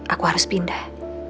aku harus pindah